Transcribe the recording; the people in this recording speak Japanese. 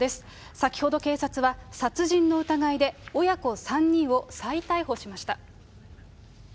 先ほど警察は、殺人の疑いで、親子３人を再逮捕しました。